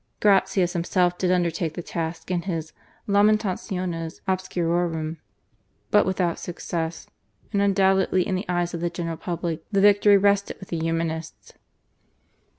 Gratius himself did undertake the task in his /Lamentationes obscurorum virorum/, but without success, and undoubtedly in the eyes of the general public the victory rested with the Humanists.